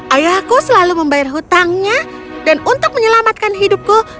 ayahku selalu membayar hutangnya dan untuk menyelamatkan hidupku